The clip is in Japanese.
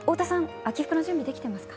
秋服の準備できていますか？